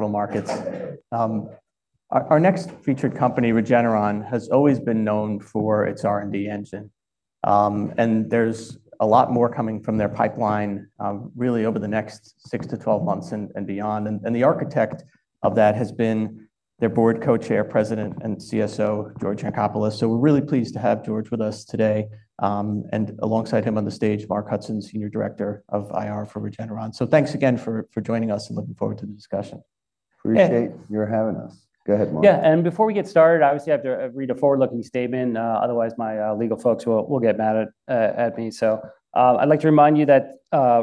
Capital markets. Our next featured company, Regeneron, has always been known for its R&D engine. There is a lot more coming from their pipeline, really, over the next 6 months-12 months and beyond. The architect of that has been their Board Co-Chair, President, and CSO, George Yancopoulos. We are really pleased to have George with us today. Alongside him on the stage, Mark Hudson, Senior Director of IR for Regeneron. Thanks again for joining us and looking forward to the discussion. Appreciate your having us. Go ahead, Mark. Yeah. Before we get started, obviously, I have to read a forward-looking statement. Otherwise, my legal folks will get mad at me. I would like to remind you that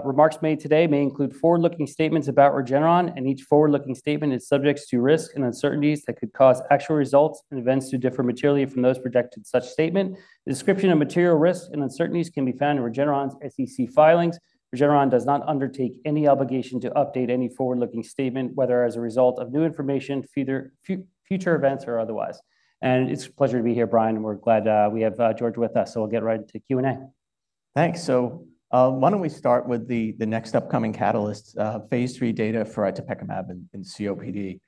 remarks made today may include forward-looking statements about Regeneron. Each forward-looking statement is subject to risks and uncertainties that could cause actual results and events to differ materially from those projected in such statement. The description of material risks and uncertainties can be found in Regeneron's SEC filings. Regeneron does not undertake any obligation to update any forward-looking statement, whether as a result of new information, future events, or otherwise. It is a pleasure to be here, Brian. We are glad we have George with us. We will get right into Q&A. Thanks. Why don't we start with the next upcoming catalyst, Phase 3 data for itepekimab in COPD?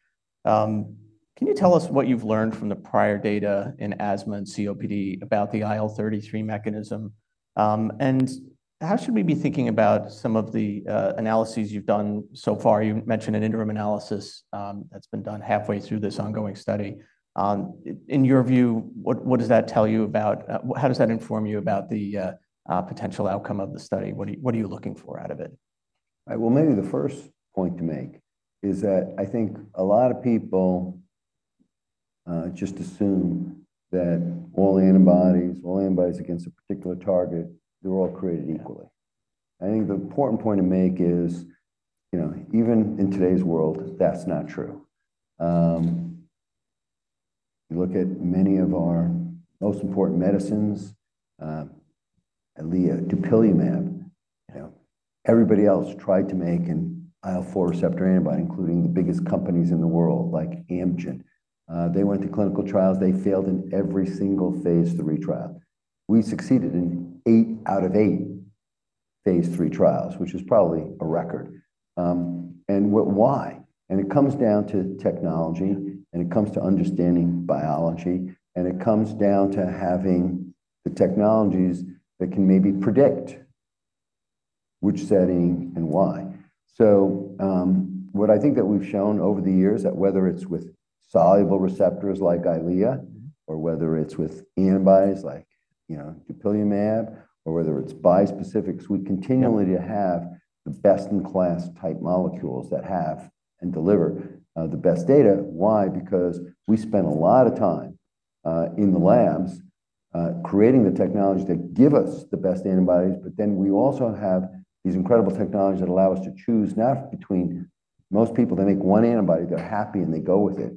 Can you tell us what you've learned from the prior data in asthma and COPD about the IL-33 mechanism? How should we be thinking about some of the analyses you've done so far? You mentioned an interim analysis that's been done halfway through this ongoing study. In your view, what does that tell you, how does that inform you about the potential outcome of the study? What are you looking for out of it? Right. Maybe the first point to make is that I think a lot of people just assume that all antibodies, all antibodies against a particular target, they're all created equally. I think the important point to make is, even in today's world, that's not true. You look at many of our most important medicines, Eylea, Dupilumab, everybody else tried to make an IL-4 receptor antibody, including the biggest companies in the world, like Amgen. They went through clinical trials. They failed in every single Phase 3 trial. We succeeded in 8 out of 8 Phase 3 trials, which is probably a record. Why? It comes down to technology. It comes to understanding biology. It comes down to having the technologies that can maybe predict which setting and why. What I think that we've shown over the years is that whether it's with soluble receptors like Eylea or whether it's with antibodies like Dupilumab or whether it's bispecifics, we continually have the best-in-class type molecules that have and deliver the best data. Why? Because we spend a lot of time in the labs creating the technologies that give us the best antibodies. We also have these incredible technologies that allow us to choose. Now, most people, they make one antibody, they're happy, and they go with it.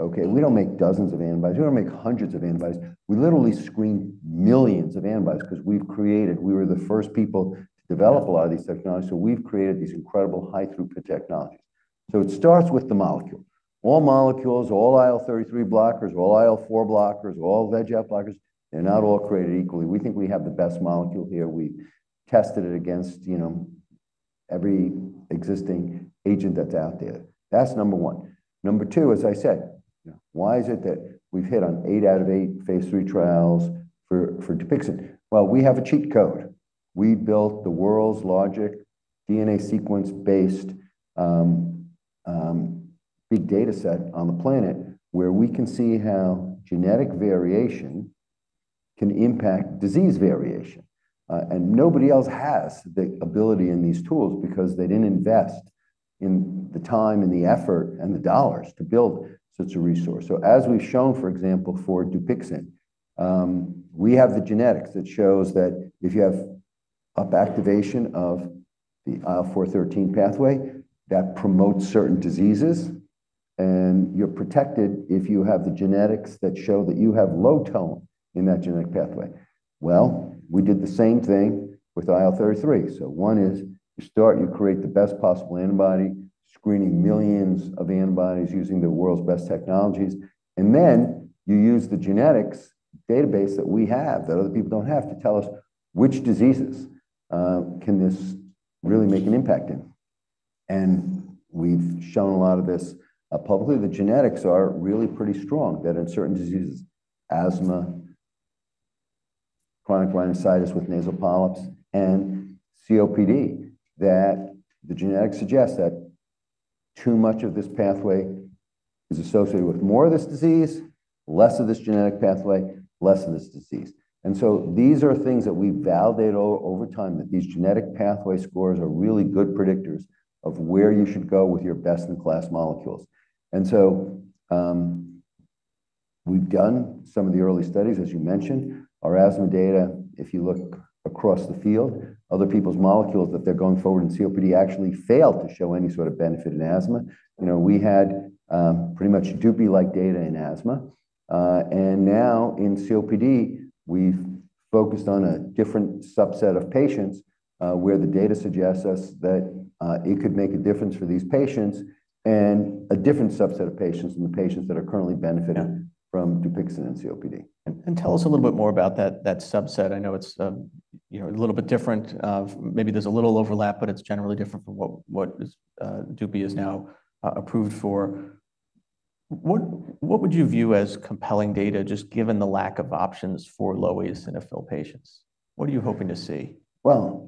Okay. We don't make dozens of antibodies. We don't make hundreds of antibodies. We literally screen millions of antibodies because we were the first people to develop a lot of these technologies. We've created these incredible high-throughput technologies. It starts with the molecule. All molecules, all IL-33 blockers, all IL-4 blockers, all VEGF blockers, they're not all created equally. We think we have the best molecule here. We've tested it against every existing agent that's out there. That's number one. Number two, as I said, why is it that we've hit on 8 out of 8 Phase 3 trials for Dupixent? We have a cheat code. We built the world's largest DNA sequence-based big data set on the planet where we can see how genetic variation can impact disease variation. Nobody else has the ability in these tools because they didn't invest in the time and the effort and the dollars to build such a resource. As we've shown, for example, for Dupixent, we have the genetics that shows that if you have up activation of the IL-4/13 pathway, that promotes certain diseases. You are protected if you have the genetics that show that you have low tone in that genetic pathway. We did the same thing with IL-33. One is you start, you create the best possible antibody, screening millions of antibodies using the world's best technologies. Then you use the genetics database that we have that other people do not have to tell us which diseases can this really make an impact in. We have shown a lot of this publicly. The genetics are really pretty strong that in certain diseases, asthma, chronic rhinosinusitis with nasal polyps, and COPD, the genetics suggest that too much of this pathway is associated with more of this disease, less of this genetic pathway, less of this disease. These are things that we validate over time, that these genetic pathway scores are really good predictors of where you should go with your best-in-class molecules. We've done some of the early studies, as you mentioned. Our asthma data, if you look across the field, other people's molecules that they're going forward in COPD actually failed to show any sort of benefit in asthma. We had pretty much DUPI-like data in asthma. Now in COPD, we've focused on a different subset of patients where the data suggests to us that it could make a difference for these patients and a different subset of patients than the patients that are currently benefiting from Dupixent in COPD. Tell us a little bit more about that subset. I know it is a little bit different. Maybe there is a little overlap, but it is generally different from what DUPI is now approved for. What would you view as compelling data, just given the lack of options for low eosinophil patients? What are you hoping to see?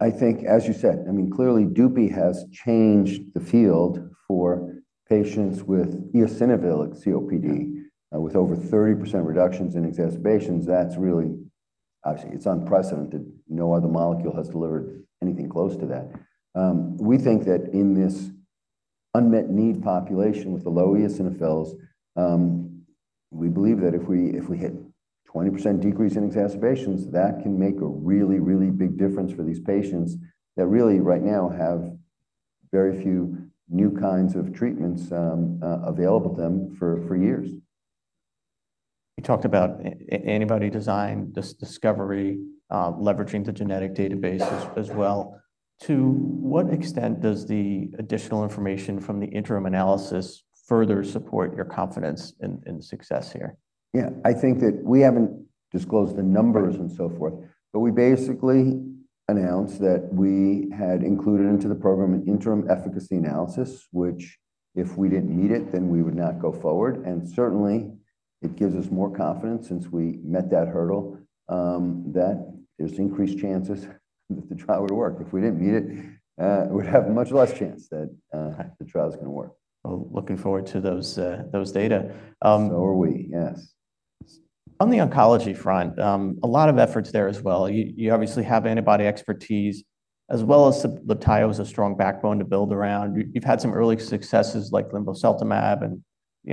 I think, as you said, I mean, clearly, Dupixent has changed the field for patients with eosinophilic COPD with over 30% reductions in exacerbations. That is really, obviously, it's unprecedented. No other molecule has delivered anything close to that. We think that in this unmet need population with the low eosinophils, we believe that if we hit a 20% decrease in exacerbations, that can make a really, really big difference for these patients that really right now have very few new kinds of treatments available to them for years. You talked about antibody design, discovery, leveraging the genetic database as well. To what extent does the additional information from the interim analysis further support your confidence in success here? Yeah. I think that we haven't disclosed the numbers and so forth. We basically announced that we had included into the program an interim efficacy analysis, which if we didn't meet it, then we would not go forward. It gives us more confidence since we met that hurdle that there's increased chances that the trial would work. If we didn't meet it, we'd have much less chance that the trial is going to work. Looking forward to those data. Yes. On the oncology front, a lot of efforts there as well. You obviously have antibody expertise as well as Libtayo as a strong backbone to build around. You've had some early successes like Linvoseltamab,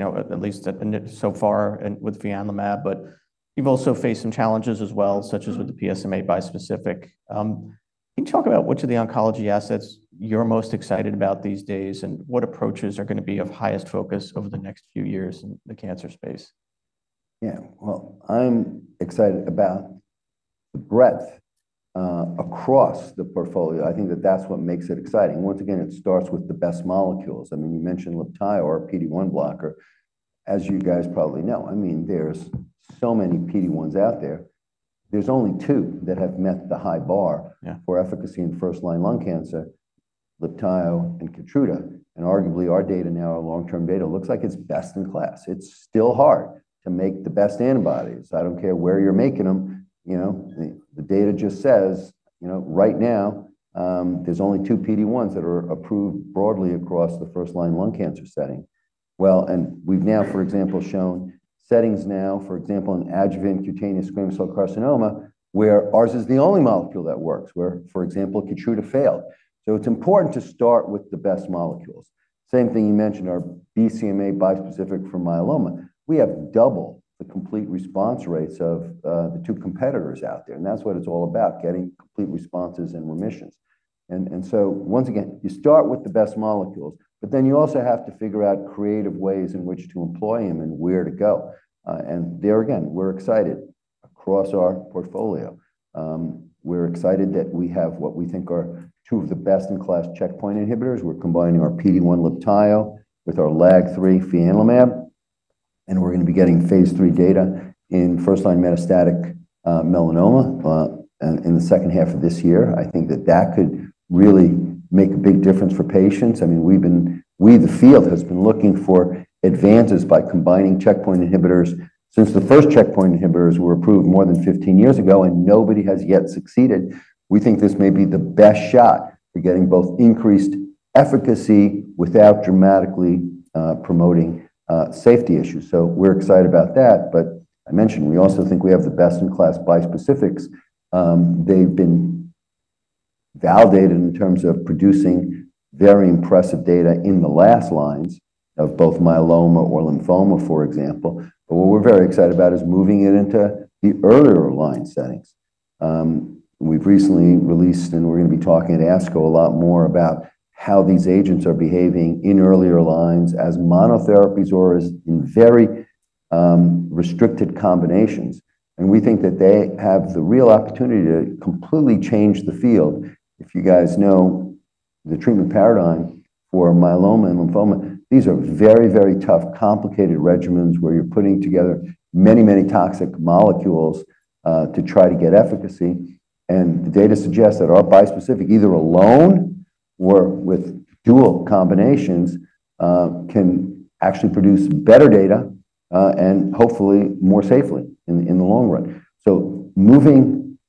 at least so far, and with Fianlimab. But you've also faced some challenges as well, such as with the PSMA bispecific. Can you talk about which of the oncology assets you're most excited about these days and what approaches are going to be of highest focus over the next few years in the cancer space? Yeah. I'm excited about the breadth across the portfolio. I think that that's what makes it exciting. Once again, it starts with the best molecules. I mean, you mentioned Libtayo, our PD-1 blocker. As you guys probably know, I mean, there are so many PD-1s out there. There are only two that have met the high bar for efficacy in first-line lung cancer, Libtayo and Keytruda. And arguably, our data now, our long-term data, looks like it's best in class. It's still hard to make the best antibodies. I don't care where you're making them. The data just says right now, there are only two PD-1s that are approved broadly across the first-line lung cancer setting. We have now, for example, shown settings now, for example, in adjuvant cutaneous squamous cell carcinoma where ours is the only molecule that works, where, for example, Keytruda failed. It's important to start with the best molecules. Same thing you mentioned, our BCMA bispecific for myeloma. We have double the complete response rates of the two competitors out there. That's what it's all about, getting complete responses and remissions. Once again, you start with the best molecules. You also have to figure out creative ways in which to employ them and where to go. There again, we're excited across our portfolio. We're excited that we have what we think are two of the best-in-class checkpoint inhibitors. We're combining our PD-1 Libtayo with our LAG-3 Fianlimab. We're going to be getting Phase 3 data in first-line metastatic melanoma in the second half of this year. I think that that could really make a big difference for patients. I mean, the field has been looking for advances by combining checkpoint inhibitors since the first checkpoint inhibitors were approved more than 15 years ago, and nobody has yet succeeded. We think this may be the best shot for getting both increased efficacy without dramatically promoting safety issues. We are excited about that. I mentioned, we also think we have the best-in-class bispecifics. They have been validated in terms of producing very impressive data in the last lines of both myeloma or lymphoma, for example. What we are very excited about is moving it into the earlier line settings. We have recently released, and we are going to be talking at ASCO a lot more about how these agents are behaving in earlier lines as monotherapies or as in very restricted combinations. We think that they have the real opportunity to completely change the field. If you guys know the treatment paradigm for myeloma and lymphoma, these are very, very tough, complicated regimens where you're putting together many, many toxic molecules to try to get efficacy. The data suggests that our bispecific, either alone or with dual combinations, can actually produce better data and hopefully more safely in the long run. Moving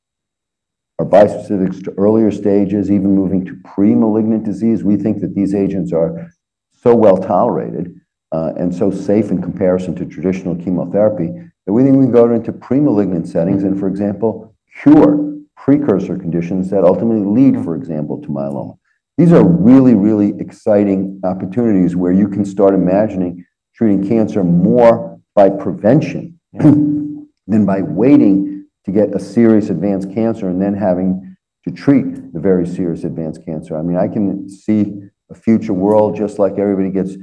our bispecifics to earlier stages, even moving to premalignant disease, we think that these agents are so well tolerated and so safe in comparison to traditional chemotherapy that we think we can go into premalignant settings and, for example, cure precursor conditions that ultimately lead, for example, to myeloma. These are really, really exciting opportunities where you can start imagining treating cancer more by prevention than by waiting to get a serious advanced cancer and then having to treat the very serious advanced cancer. I mean, I can see a future world just like everybody gets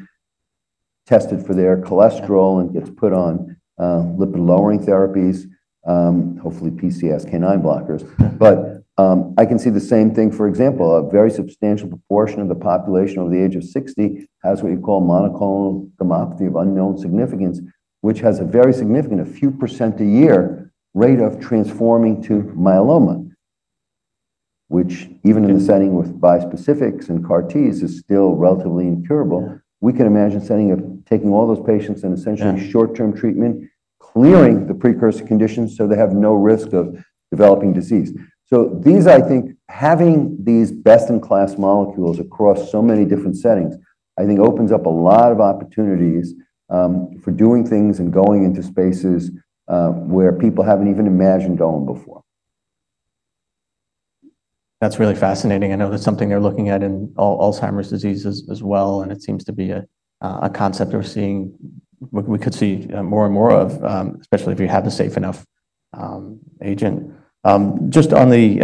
tested for their cholesterol and gets put on lipid-lowering therapies, hopefully PCSK9 blockers. I can see the same thing, for example, a very substantial proportion of the population over the age of 60 has what you call monoclonal gammopathy of unknown significance, which has a very significant, a few percent a year rate of transforming to myeloma, which even in the setting with bispecifics and CAR-Ts is still relatively incurable. We can imagine sending up, taking all those patients and essentially short-term treatment, clearing the precursor conditions so they have no risk of developing disease. These, I think, having these best-in-class molecules across so many different settings, I think opens up a lot of opportunities for doing things and going into spaces where people have not even imagined going before. That's really fascinating. I know that's something they're looking at in Alzheimer's disease as well. It seems to be a concept we could see more and more of, especially if you have a safe enough agent. Just on the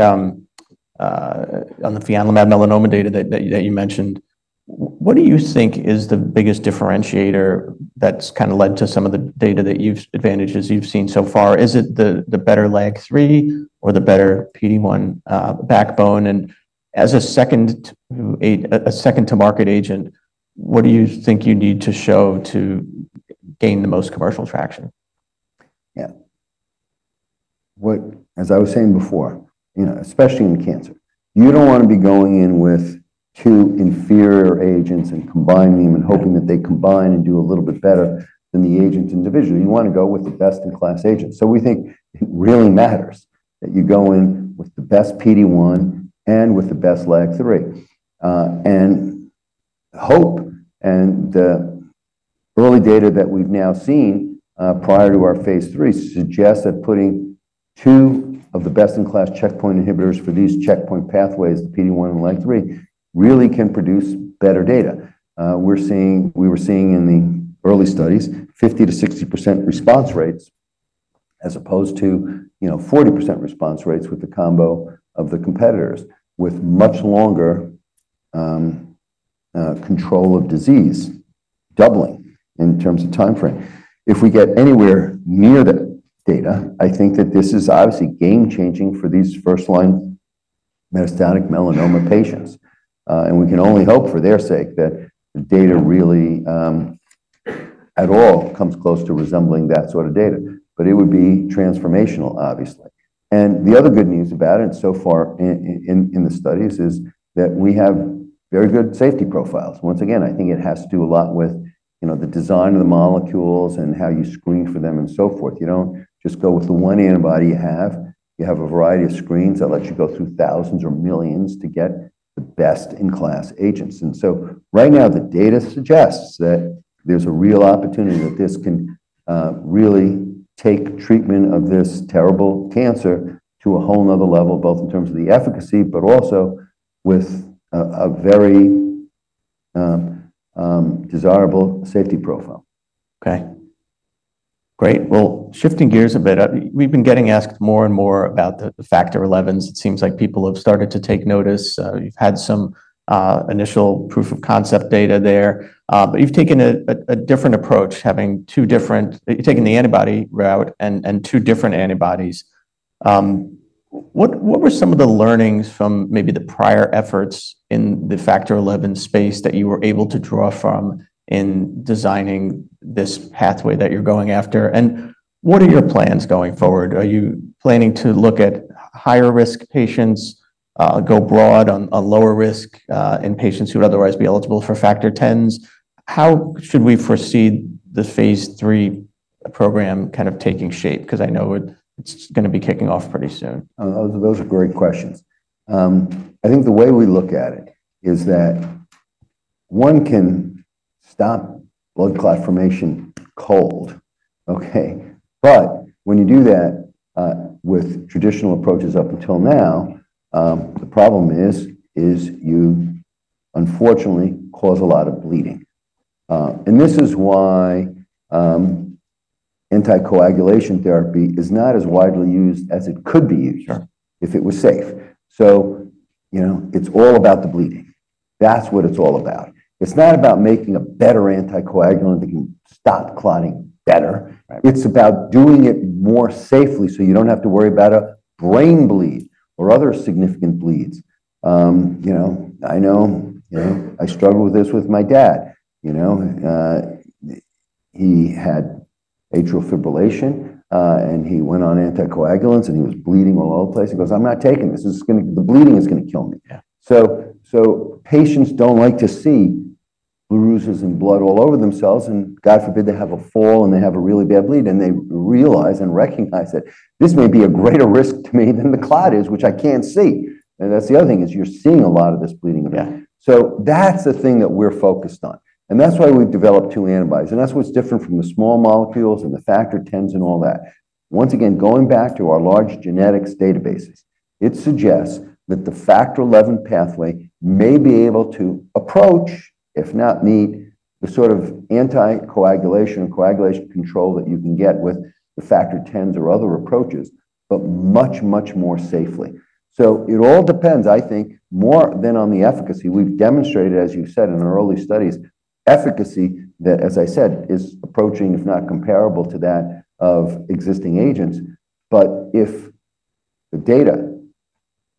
Fianlimab melanoma data that you mentioned, what do you think is the biggest differentiator that's kind of led to some of the data that you've, advantages you've seen so far? Is it the better LAG-3 or the better PD-1 backbone? As a second-to-market agent, what do you think you need to show to gain the most commercial traction? Yeah. As I was saying before, especially in cancer, you do not want to be going in with two inferior agents and combining them and hoping that they combine and do a little bit better than the agents individually. You want to go with the best-in-class agent. We think it really matters that you go in with the best PD-1 and with the best LAG-3. Hope and the early data that we have now seen prior to our Phase 3 suggests that putting two of the best-in-class checkpoint inhibitors for these checkpoint pathways, the PD-1 and LAG-3, really can produce better data. We were seeing in the early studies 50%-60% response rates as opposed to 40% response rates with the combo of the competitors, with much longer control of disease doubling in terms of time frame. If we get anywhere near that data, I think that this is obviously game-changing for these first-line metastatic melanoma patients. We can only hope for their sake that the data really at all comes close to resembling that sort of data. It would be transformational, obviously. The other good news about it, so far in the studies, is that we have very good safety profiles. Once again, I think it has to do a lot with the design of the molecules and how you screen for them and so forth. You do not just go with the one antibody you have. You have a variety of screens that let you go through thousands or millions to get the best-in-class agents. Right now, the data suggests that there's a real opportunity that this can really take treatment of this terrible cancer to a whole nother level, both in terms of the efficacy, but also with a very desirable safety profile. Okay. Great. Shifting gears a bit, we've been getting asked more and more about the Factor XIs. It seems like people have started to take notice. You've had some initial proof of concept data there. You've taken a different approach, having two different—you've taken the antibody route and two different antibodies. What were some of the learnings from maybe the prior efforts in the Factor XI space that you were able to draw from in designing this pathway that you're going after? What are your plans going forward? Are you planning to look at higher-risk patients, go broad on lower risk in patients who would otherwise be eligible for factor Xs? How should we foresee the Phase 3 program kind of taking shape? I know it's going to be kicking off pretty soon. Those are great questions. I think the way we look at it is that one can stop blood clot formation cold, okay? When you do that with traditional approaches up until now, the problem is you unfortunately cause a lot of bleeding. This is why anticoagulation therapy is not as widely used as it could be used if it was safe. It is all about the bleeding. That is what it is all about. It is not about making a better anticoagulant that can stop clotting better. It is about doing it more safely so you do not have to worry about a brain bleed or other significant bleeds. I know I struggle with this with my dad. He had atrial fibrillation, and he went on anticoagulants, and he was bleeding all over the place. He goes, "I am not taking this. The bleeding is going to kill me." Patients do not like to see bruises and blood all over themselves. God forbid they have a fall and they have a really bad bleed, and they realize and recognize that this may be a greater risk to me than the clot is, which I cannot see. That is the other thing, you are seeing a lot of this bleeding. That is the thing that we are focused on. That is why we have developed two antibodies. That is what is different from the small molecules and the factor Xs and all that. Once again, going back to our large genetics databases, it suggests that the factor XI pathway may be able to approach, if not meet, the sort of anticoagulation and coagulation control that you can get with the factor Xs or other approaches, but much, much more safely. It all depends, I think, more than on the efficacy. We've demonstrated, as you said, in our early studies, efficacy that, as I said, is approaching, if not comparable to that of existing agents. If the data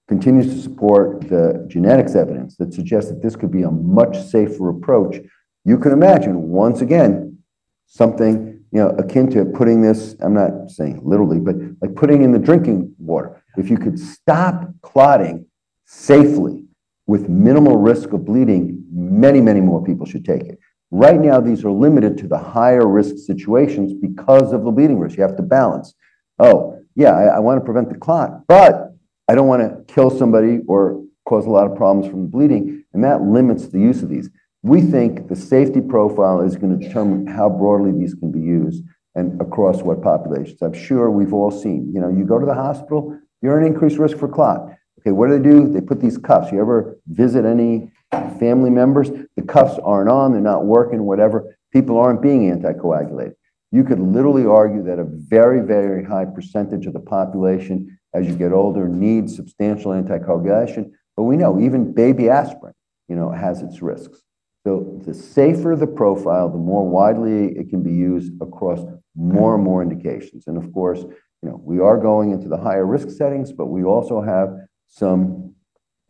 continues to support the genetics evidence that suggests that this could be a much safer approach, you can imagine, once again, something akin to putting this—I'm not saying literally—but like putting in the drinking water. If you could stop clotting safely with minimal risk of bleeding, many, many more people should take it. Right now, these are limited to the higher-risk situations because of the bleeding risk. You have to balance, "Oh, yeah, I want to prevent the clot, but I don't want to kill somebody or cause a lot of problems from the bleeding." That limits the use of these. We think the safety profile is going to determine how broadly these can be used and across what populations. I'm sure we've all seen. You go to the hospital, you're at increased risk for clot. Okay, what do they do? They put these cuffs. You ever visit any family members? The cuffs aren't on. They're not working, whatever. People aren't being anticoagulated. You could literally argue that a very, very high percentage of the population, as you get older, needs substantial anticoagulation. We know even baby aspirin has its risks. The safer the profile, the more widely it can be used across more and more indications. Of course, we are going into the higher-risk settings, but we also have some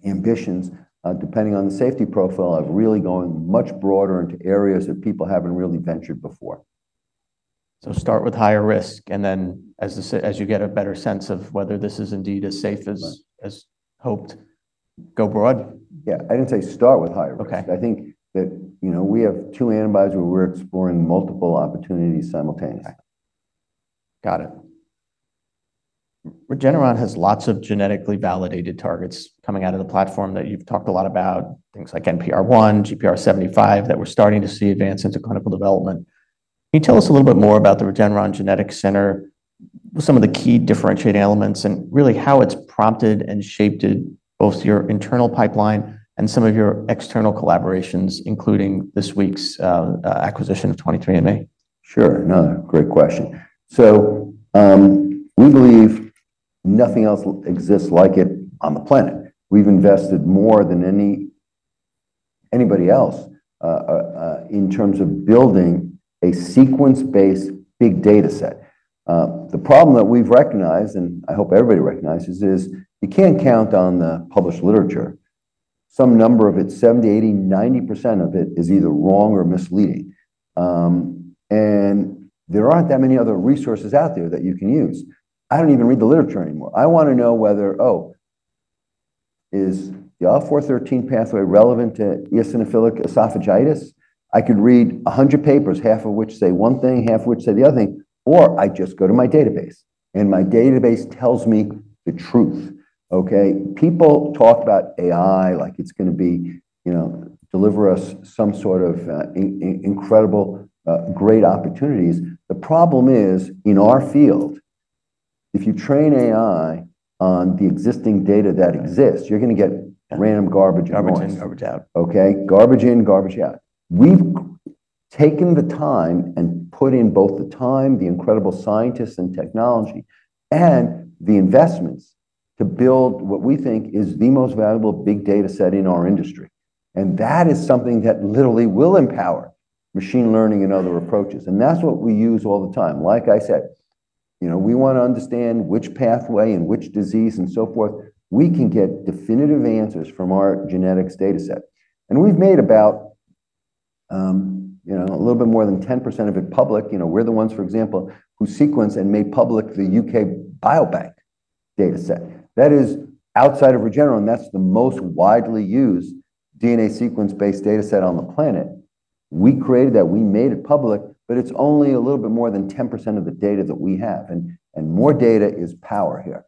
ambitions depending on the safety profile of really going much broader into areas that people haven't really ventured before. Start with higher risk, and then as you get a better sense of whether this is indeed as safe as hoped, go broad? Yeah. I didn't say start with higher risk. I think that we have two antibodies where we're exploring multiple opportunities simultaneously. Got it. Regeneron has lots of genetically validated targets coming out of the platform that you've talked a lot about, things like NPR1, GPR75 that we're starting to see advance into clinical development. Can you tell us a little bit more about the Regeneron Genetics Center, some of the key differentiating elements, and really how it's prompted and shaped both your internal pipeline and some of your external collaborations, including this week's acquisition of 23andMe? Sure. No, great question. We believe nothing else exists like it on the planet. We have invested more than anybody else in terms of building a sequence-based big data set. The problem that we have recognized, and I hope everybody recognizes, is you cannot count on the published literature. Some number of it, 70%, 80%, 90% of it is either wrong or misleading. There are not that many other resources out there that you can use. I do not even read the literature anymore. I want to know whether, oh, is the IL-4/IL-13 pathway relevant to eosinophilic esophagitis? I could read 100 papers, half of which say one thing, half of which say the other thing. Or I just go to my database, and my database tells me the truth, okay? People talk about AI like it is going to deliver us some sort of incredible, great opportunities. The problem is, in our field, if you train AI on the existing data that exists, you're going to get random garbage in, garbage out. Garbage in, garbage out. Okay? Garbage in, garbage out. We've taken the time and put in both the time, the incredible scientists and technology, and the investments to build what we think is the most valuable big data set in our industry. That is something that literally will empower machine learning and other approaches. That's what we use all the time. Like I said, we want to understand which pathway and which disease and so forth. We can get definitive answers from our genetics data set. We've made about a little bit more than 10% of it public. We're the ones, for example, who sequenced and made public the UK Biobank data set. That is outside of Regeneron, and that's the most widely used DNA sequence-based data set on the planet. We created that. We made it public, but it's only a little bit more than 10% of the data that we have. More data is power here.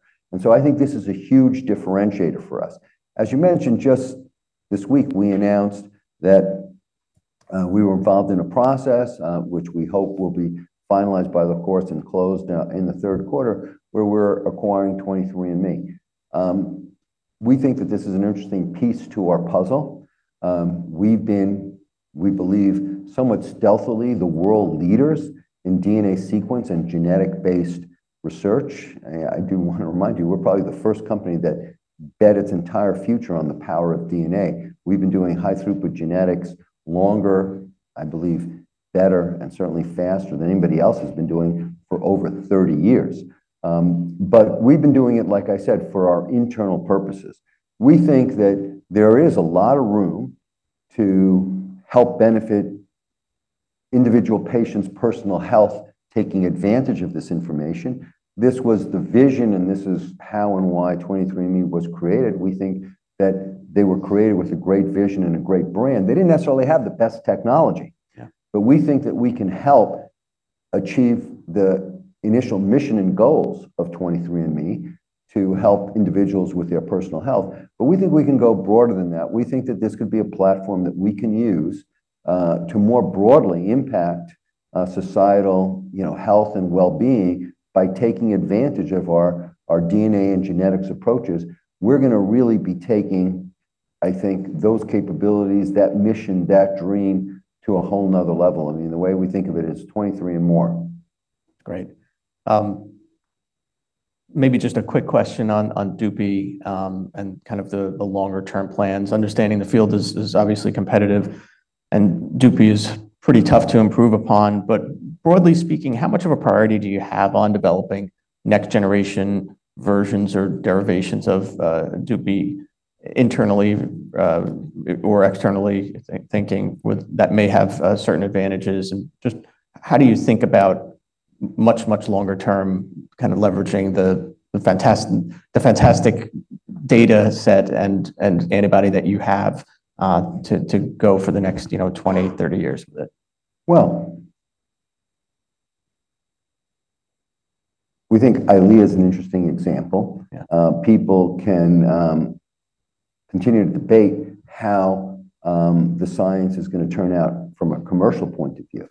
I think this is a huge differentiator for us. As you mentioned, just this week, we announced that we were involved in a process, which we hope will be finalized by the courts and closed in the third quarter, where we're acquiring 23andMe. We think that this is an interesting piece to our puzzle. We've been, we believe, somewhat stealthily the world leaders in DNA sequence and genetic-based research. I do want to remind you, we're probably the first company that bet its entire future on the power of DNA. We've been doing high throughput genetics longer, I believe, better, and certainly faster than anybody else has been doing for over 30 years. We have been doing it, like I said, for our internal purposes. We think that there is a lot of room to help benefit individual patients' personal health, taking advantage of this information. This was the vision, and this is how and why 23andMe was created. We think that they were created with a great vision and a great brand. They did not necessarily have the best technology. We think that we can help achieve the initial mission and goals of 23andMe to help individuals with their personal health. We think we can go broader than that. We think that this could be a platform that we can use to more broadly impact societal health and well-being by taking advantage of our DNA and genetics approaches. We are going to really be taking, I think, those capabilities, that mission, that dream to a whole nother level. I mean, the way we think of it is 23 and more. Great. Maybe just a quick question on DUPI and kind of the longer-term plans. Understanding the field is obviously competitive, and DUPI is pretty tough to improve upon. Broadly speaking, how much of a priority do you have on developing next-generation versions or derivations of DUPI internally or externally thinking that may have certain advantages? Just how do you think about much, much longer-term kind of leveraging the fantastic data set and antibody that you have to go for the next 20, 30 years with it? We think Eylea is an interesting example. People can continue to debate how the science is going to turn out from a commercial point of view.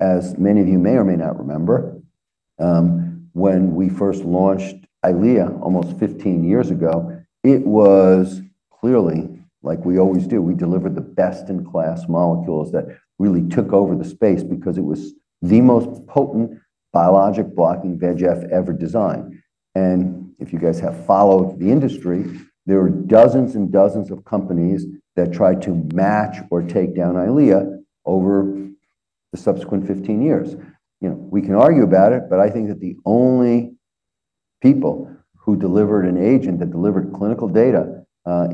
As many of you may or may not remember, when we first launched Eylea almost 15 years ago, it was clearly like we always do. We delivered the best-in-class molecules that really took over the space because it was the most potent biologic blocking VEGF ever designed. If you guys have followed the industry, there were dozens and dozens of companies that tried to match or take down Eylea over the subsequent 15 years. We can argue about it, but I think that the only people who delivered an agent that delivered clinical data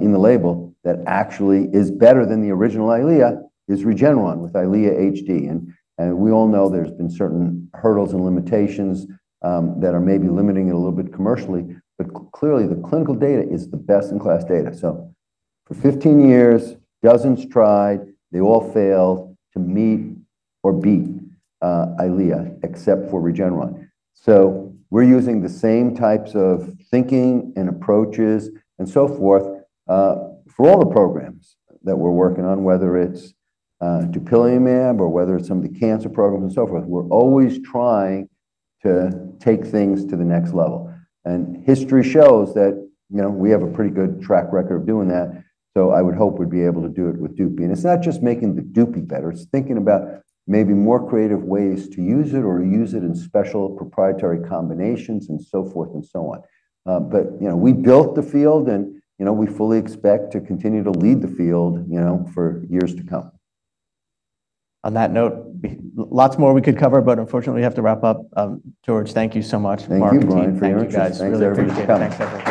in the label that actually is better than the original Eylea is Regeneron with Eylea HD. We all know there have been certain hurdles and limitations that are maybe limiting it a little bit commercially. Clearly, the clinical data is the best-in-class data. For 15 years, dozens tried. They all failed to meet or beat Eylea, except for Regeneron. We are using the same types of thinking and approaches and so forth for all the programs that we are working on, whether it is dupilumab or whether it is some of the cancer programs and so forth. We are always trying to take things to the next level. History shows that we have a pretty good track record of doing that. I would hope we would be able to do it with DUPI. It is not just making the DUPI better. It is thinking about maybe more creative ways to use it or use it in special proprietary combinations and so forth and so on. We built the field, and we fully expect to continue to lead the field for years to come. On that note, lots more we could cover, but unfortunately, we have to wrap up. George, thank you so much. Thank you, Brian. Thank you guys. Really appreciate it.